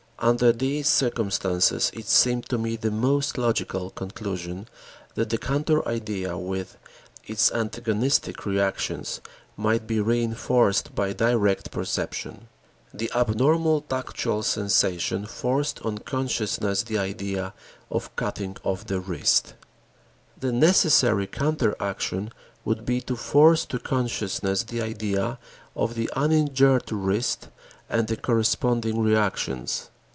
Under these circumstances, it seemed to me the most logical conclusion that the counter idea with its antagonistic reactions might be reënforced by direct perception. The abnormal tactual sensation forced on consciousness the idea of the cutting of the wrist. The necessary counter action would be to force to consciousness the idea of the uninjured wrist and the corresponding reactions.